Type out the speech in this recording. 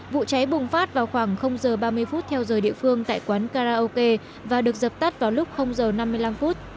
vụ cháy bùng phát vào khoảng giờ ba mươi phút theo giờ địa phương tại quán karaoke và được dập tắt vào lúc giờ năm mươi năm phút